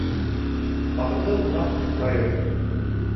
Аҙыҡлы ҡунаҡ ҡупрайыр.